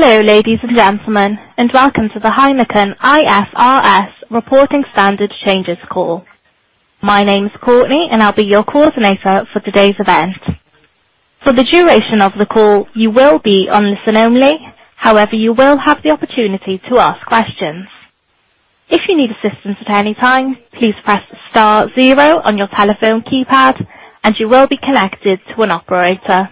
Hello, ladies and gentlemen, welcome to the Heineken IFRS Reporting Standard Changes call. My name is Courtney and I'll be your coordinator for today's event. For the duration of the call, you will be on listen only. However, you will have the opportunity to ask questions. If you need assistance at any time, please press star zero on your telephone keypad and you will be connected to an operator.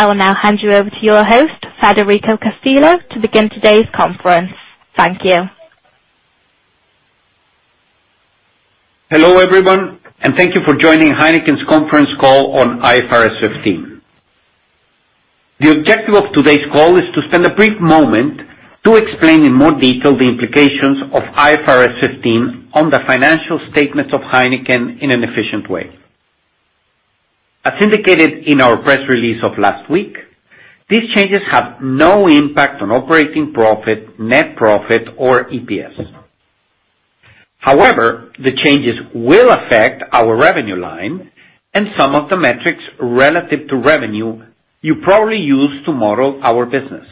I will now hand you over to your host, Federico Castillo, to begin today's conference. Thank you. Hello, everyone, thank you for joining Heineken's conference call on IFRS 15. The objective of today's call is to spend a brief moment to explain in more detail the implications of IFRS 15 on the financial statements of Heineken in an efficient way. As indicated in our press release of last week, these changes have no impact on operating profit, net profit or EPS. However, the changes will affect our revenue line and some of the metrics relative to revenue you probably use to model our business.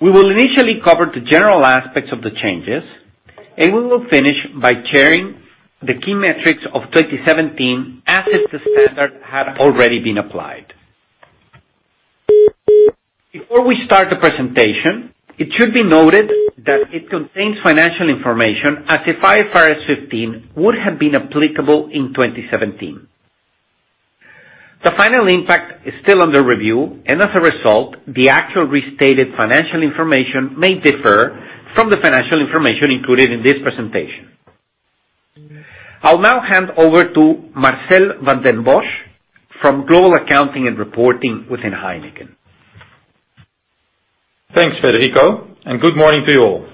We will initially cover the general aspects of the changes, and we will finish by sharing the key metrics of 2017 as if the standard had already been applied. Before we start the presentation, it should be noted that it contains financial information as if IFRS 15 would have been applicable in 2017. The final impact is still under review, and as a result, the actual restated financial information may differ from the financial information included in this presentation. I'll now hand over to Marcel van den Bosch from Global Accounting and Reporting within Heineken. Thanks, Federico, and good morning to you all.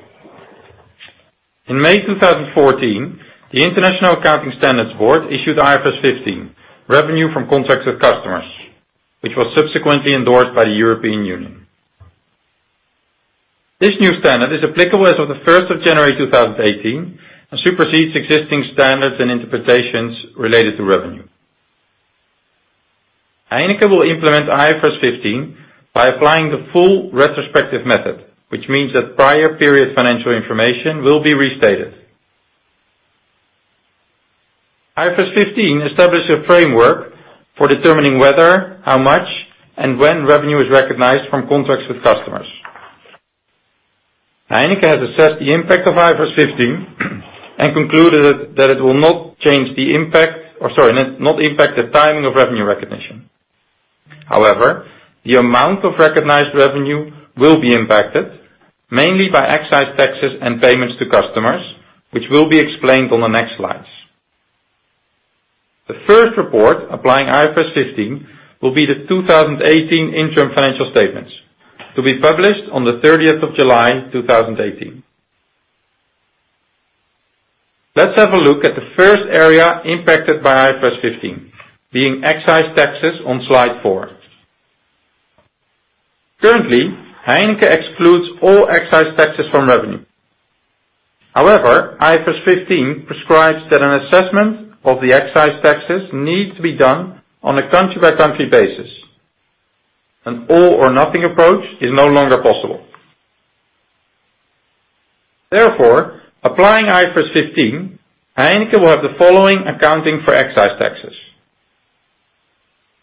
In May 2014, the International Accounting Standards Board issued IFRS 15, revenue from contracts with customers, which was subsequently endorsed by the European Union. This new standard is applicable as of the 1st of January 2018 and supersedes existing standards and interpretations related to revenue. Heineken will implement IFRS 15 by applying the full retrospective method, which means that prior period financial information will be restated. IFRS 15 established a framework for determining whether, how much, and when revenue is recognized from contracts with customers. Heineken has assessed the impact of IFRS 15 and concluded that it will not impact the timing of revenue recognition. However, the amount of recognized revenue will be impacted mainly by excise taxes and payments to customers, which will be explained on the next slides. The first report applying IFRS 15 will be the 2018 interim financial statements to be published on the 30th of July 2018. Let's have a look at the first area impacted by IFRS 15, being excise taxes on slide four. Currently, Heineken excludes all excise taxes from revenue. However, IFRS 15 prescribes that an assessment of the excise taxes needs to be done on a country-by-country basis. An all or nothing approach is no longer possible. Therefore, applying IFRS 15, Heineken will have the following accounting for excise taxes.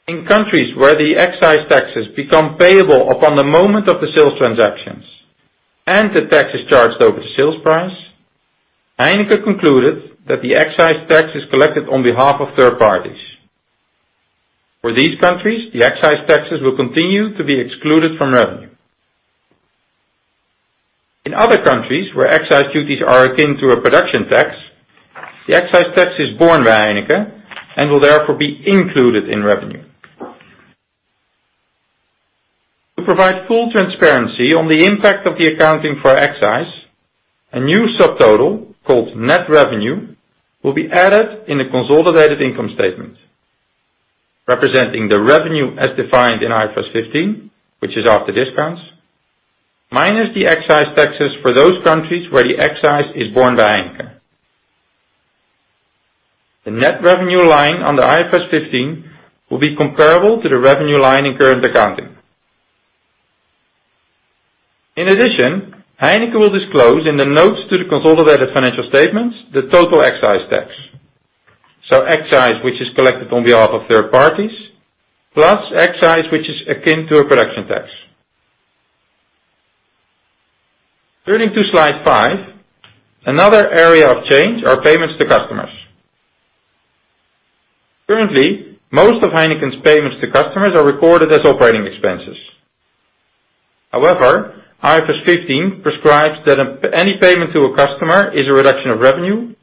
In countries where the excise taxes become payable upon the moment of the sales transactions and the tax is charged over the sales price, Heineken concluded that the excise tax is collected on behalf of third parties. For these countries, the excise taxes will continue to be excluded from revenue. In other countries where excise duties are akin to a production tax, the excise tax is borne by Heineken and will therefore be included in revenue. To provide full transparency on the impact of the accounting for excise, a new subtotal called net revenue will be added in the consolidated income statement, representing the revenue as defined in IFRS 15, which is after discounts, minus the excise taxes for those countries where the excise is borne by Heineken. The net revenue line on the IFRS 15 will be comparable to the revenue line in current accounting. In addition, Heineken will disclose in the notes to the consolidated financial statements the total excise tax. Excise, which is collected on behalf of third parties, plus excise, which is akin to a production tax. Turning to slide five, another area of change are payments to customers. Currently, most of Heineken's payments to customers are recorded as operating expenses. However, IFRS 15 prescribes that any payment to a customer is a reduction of revenue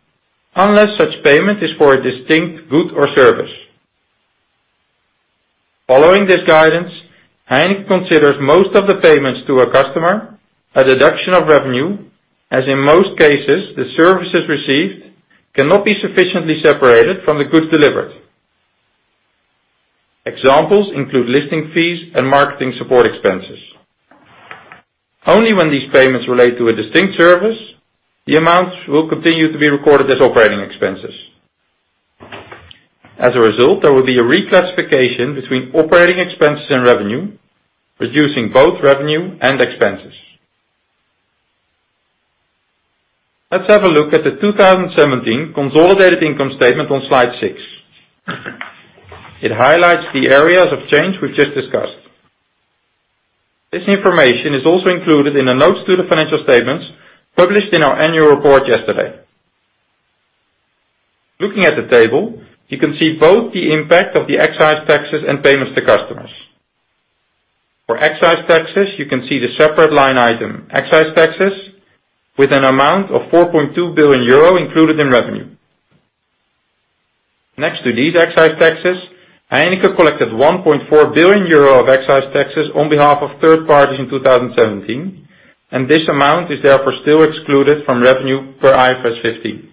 unless such payment is for a distinct good or service. Following this guidance, Heineken considers most of the payments to a customer a deduction of revenue, as in most cases, the services received cannot be sufficiently separated from the goods delivered. Examples include listing fees and marketing support expenses. Only when these payments relate to a distinct service, the amounts will continue to be recorded as operating expenses. As a result, there will be a reclassification between operating expenses and revenue, reducing both revenue and expenses. Let's have a look at the 2017 consolidated income statement on slide six. It highlights the areas of change we've just discussed. This information is also included in the notes to the financial statements published in our annual report yesterday. Looking at the table, you can see both the impact of the excise taxes and payments to customers. For excise taxes, you can see the separate line item, excise taxes, with an amount of 4.2 billion euro included in revenue. Next to these excise taxes, Heineken collected 1.4 billion euro of excise taxes on behalf of third parties in 2017, and this amount is therefore still excluded from revenue per IFRS 15.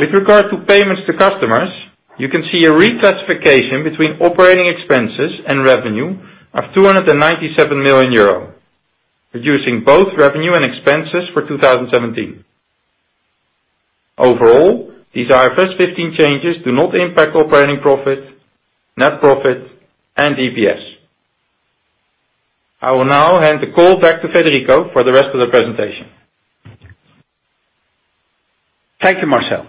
With regard to payments to customers, you can see a reclassification between operating expenses and revenue of 297 million euro, reducing both revenue and expenses for 2017. Overall, these IFRS 15 changes do not impact operating profit, net profit and EPS. I will now hand the call back to Federico for the rest of the presentation. Thank you, Marcel.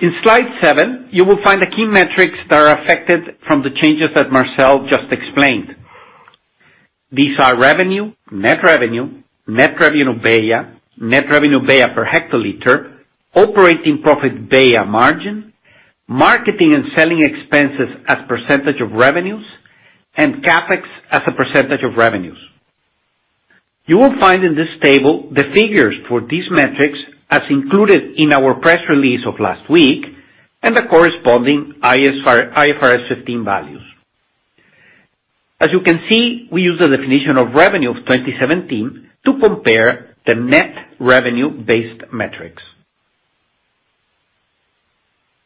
In slide seven, you will find the key metrics that are affected from the changes that Marcel just explained. These are revenue, net revenue, net revenue BEIA, net revenue BEIA per hectoliter, operating profit BEIA margin, marketing and selling expenses as % of revenues, and CapEx as a % of revenues. You will find in this table the figures for these metrics as included in our press release of last week and the corresponding IFRS 15 values. As you can see, we use the definition of revenue of 2017 to compare the net revenue-based metrics.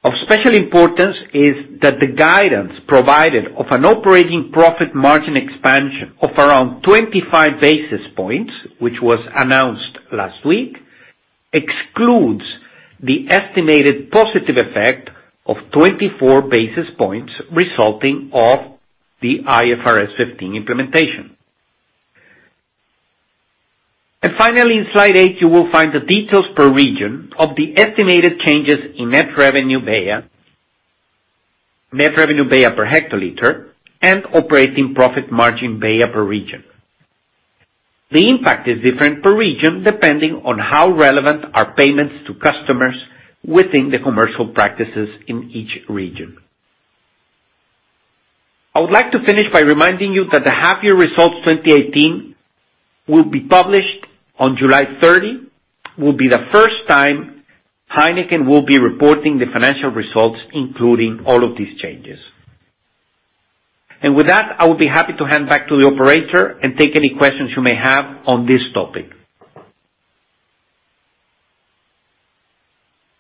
Of special importance is that the guidance provided of an operating profit margin expansion of around 25 basis points, which was announced last week, excludes the estimated positive effect of 24 basis points resulting of the IFRS 15 implementation. Finally, in slide eight, you will find the details per region of the estimated changes in net revenue BEIA, net revenue BEIA per hectoliter, and operating profit margin BEIA per region. The impact is different per region depending on how relevant are payments to customers within the commercial practices in each region. I would like to finish by reminding you that the half year results 2018 will be published on July 30, will be the first time Heineken will be reporting the financial results, including all of these changes. With that, I will be happy to hand back to the operator and take any questions you may have on this topic.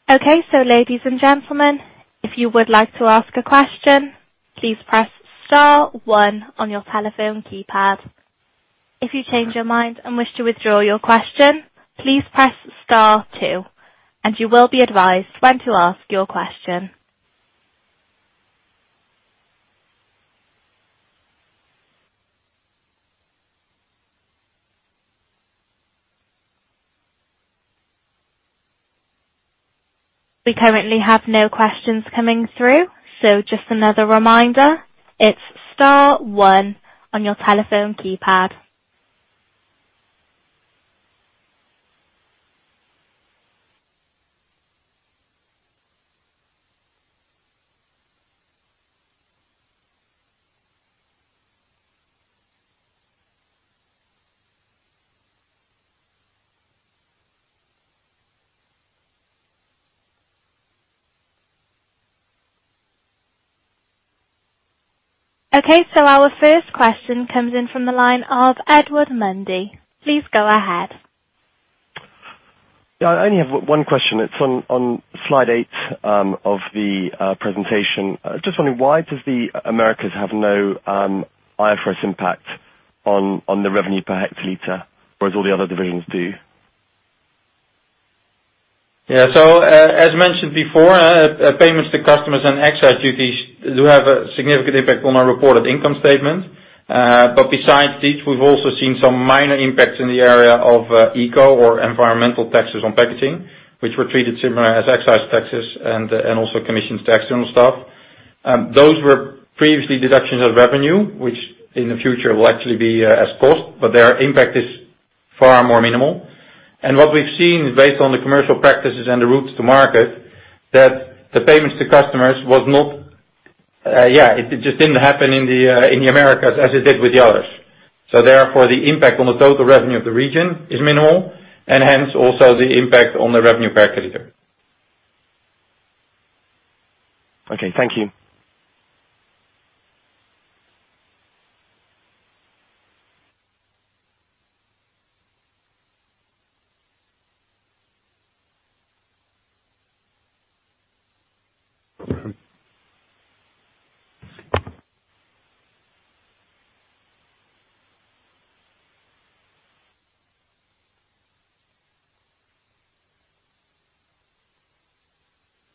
Okay. Ladies and gentlemen, if you would like to ask a question, please press star one on your telephone keypad. If you change your mind and wish to withdraw your question, please press star two and you will be advised when to ask your question. We currently have no questions coming through, just another reminder, it's star one on your telephone keypad. Okay. Our first question comes in from the line of Edward Mundy. Please go ahead. Yeah, I only have one question. It's on slide eight of the presentation. Just wondering, why does the Americas have no IFRS impact on the revenue per hectoliter, whereas all the other divisions do? As mentioned before, payments to customers and excise duties do have a significant impact on our reported income statement. Besides these, we've also seen some minor impacts in the area of eco or environmental taxes on packaging, which were treated similar as excise taxes and also commissions tax on staff. Those were previously deductions of revenue, which in the future will actually be as cost, but their impact is far more minimal. What we've seen based on the commercial practices and the routes to market, that the payments to customers, it just didn't happen in the Americas as it did with the others. Therefore, the impact on the total revenue of the region is minimal, and hence also the impact on the revenue per hectoliter. Okay. Thank you.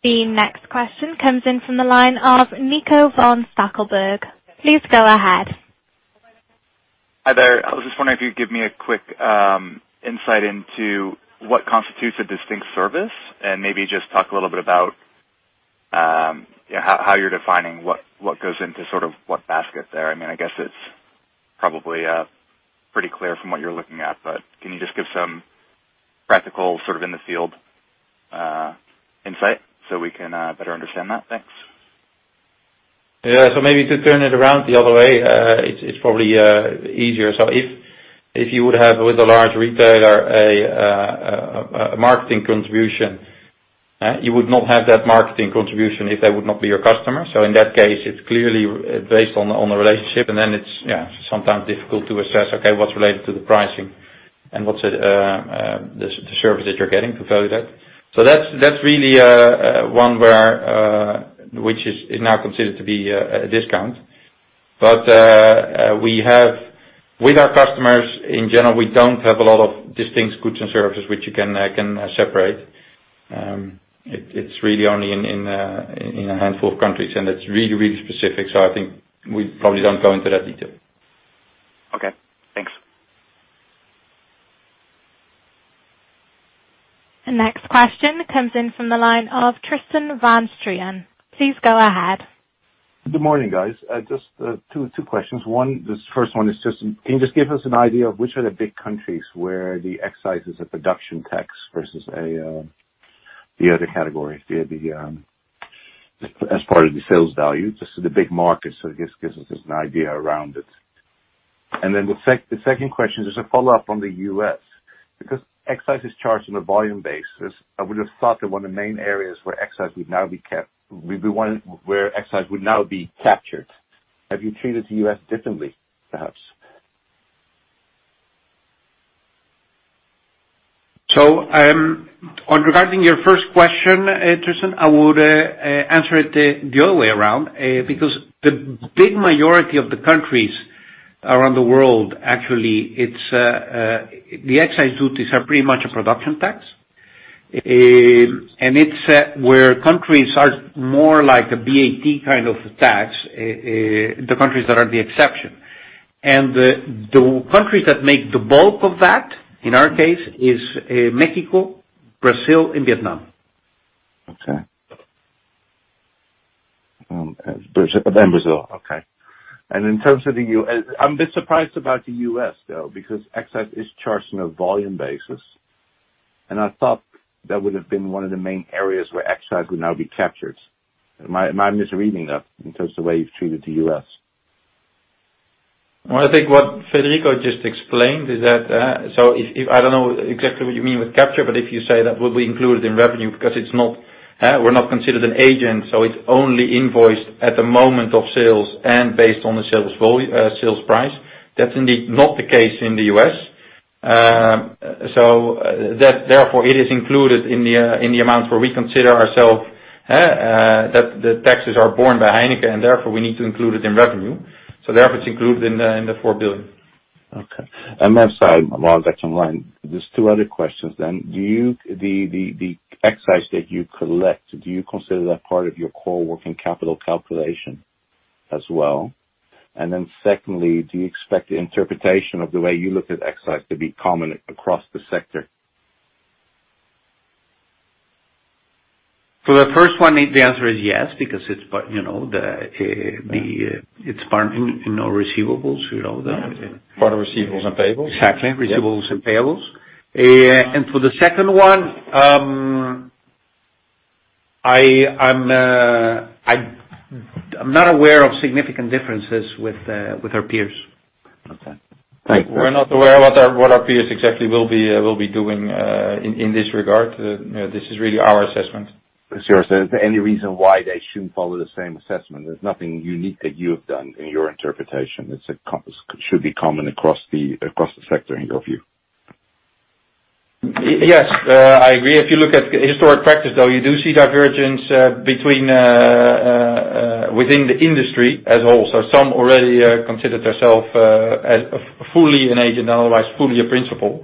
The next question comes in from the line of Nico von Stackelberg. Please go ahead. Hi there. I was just wondering if you could give me a quick insight into what constitutes a distinct service and maybe just talk a little bit about how you're defining what goes into what basket there. I guess it's probably pretty clear from what you're looking at, but can you just give some practical, in the field insight so we can better understand that? Thanks. Yeah. Maybe to turn it around the other way, it's probably easier. If you would have, with a large retailer, a marketing contribution, you would not have that marketing contribution if they would not be your customer. In that case, it's clearly based on the relationship and then it's, yeah, sometimes difficult to assess, okay, what's related to the pricing and what's the service that you're getting to value that. That's really one which is now considered to be a discount. With our customers, in general, we don't have a lot of distinct goods and services which you can separate. It's really only in a handful of countries, and that's really, really specific. I think we probably don't go into that detail. Okay, thanks. The next question comes in from the line of Tristan van Strien. Please go ahead. Good morning, guys. Just two questions. This first one is, can you just give us an idea of which are the big countries where the excise is a production tax versus the other category as part of the sales value, just the big markets, give us an idea around it. The second question is a follow-up on the U.S. Because excise is charged on a volume basis, I would've thought that one of the main areas where excise would now be captured. Have you treated the U.S. differently, perhaps? Regarding your first question, Tristan, I would answer it the other way around, because the big majority of the countries around the world, actually, the excise duties are pretty much a production tax. It's where countries are more like a VAT kind of tax, the countries that are the exception. The countries that make the bulk of that, in our case, is Mexico, Brazil, and Vietnam. Okay. Brazil. Okay. In terms of the I'm a bit surprised about the U.S., though, because excise is charged on a volume basis. I thought that would have been one of the main areas where excise would now be captured. Am I misreading that in terms of the way you've treated the U.S.? Well, I think what Federico just explained is that, I don't know exactly what you mean with capture, but if you say that would be included in revenue because we're not considered an agent, it's only invoiced at the moment of sales and based on the sales price. That's indeed not the case in the U.S. Therefore, it is included in the amount where we consider ourself, that the taxes are borne by Heineken, and therefore, we need to include it in revenue. Therefore, it's included in the 4 billion. Okay. Sorry, while that's online, there's two other questions then. The excise that you collect, do you consider that part of your core working capital calculation as well? Secondly, do you expect the interpretation of the way you look at excise to be common across the sector? For the first one, the answer is yes, because it's part in our receivables. You know that. Part of receivables and payables. Exactly. Receivables and payables. For the second one, I'm not aware of significant differences with our peers. Okay. Thanks. We're not aware what our peers exactly will be doing in this regard. This is really our assessment. Is there any reason why they shouldn't follow the same assessment? There's nothing unique that you have done in your interpretation. It should be common across the sector in your view. Yes, I agree. If you look at historic practice, though, you do see divergence within the industry as a whole. Some already considered themselves as fully an agent, otherwise, fully a principal.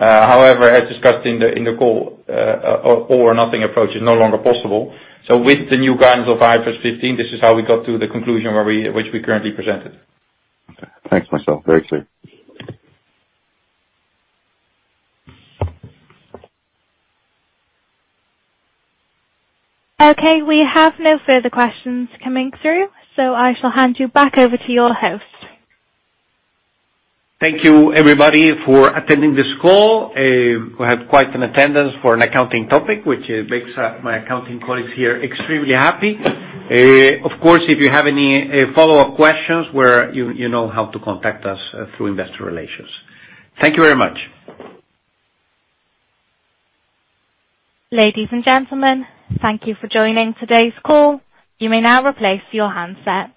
However, as discussed in the call, all or nothing approach is no longer possible. With the new guidance of IFRS 15, this is how we got to the conclusion which we currently presented. Okay. Thanks, Marcel. Very clear. Okay. We have no further questions coming through. I shall hand you back over to your host. Thank you everybody for attending this call. We had quite an attendance for an accounting topic, which makes my accounting colleagues here extremely happy. Of course, if you have any follow-up questions, well, you know how to contact us through investor relations. Thank you very much. Ladies and gentlemen, thank you for joining today's call. You may now replace your handset.